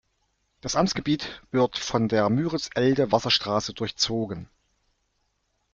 Das Amtsgebiet wird von der Müritz-Elde-Wasserstraße durchzogen.